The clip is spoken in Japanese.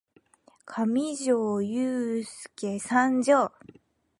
かみじょーゆーすーけ参上！